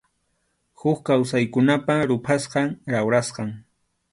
Huk kawsaykunapa ruphasqan, rawrasqan.